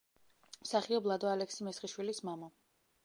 მსახიობ ლადო ალექსი-მესხიშვილის მამა.